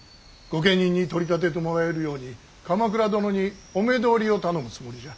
御家人に取り立ててもらえるように鎌倉殿にお目通りを頼むつもりじゃ。